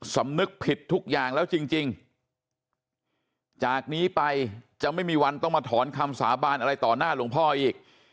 สำนึกผิดทุกอย่างแล้วจริงจากนี้ไปจะไม่มีวันต้องมาถอนคำสาบานอะไรต่อหน้าหลวงพ่ออีก